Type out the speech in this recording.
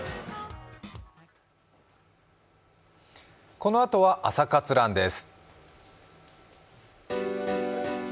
このあとは「朝活ＲＵＮ」です。